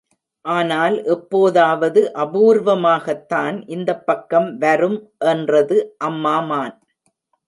ஆனால் எப்போதாவது அபூர்வமாகத்தான் இந்தப் பக்கம் வரும் என்றது அம்மா மான்.